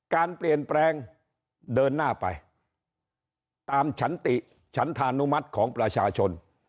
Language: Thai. การเปลี่ยนแปลงเดินหน้าไปตามฉันติฉันธานุมัติของประชาชน